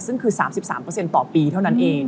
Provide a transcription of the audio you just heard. ซึ่งคือ๓๓ต่อปีเท่านั้นเอง